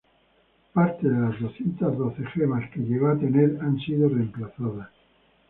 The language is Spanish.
Parte de las doscientas doce gemas que llegó a tener han sido reemplazadas.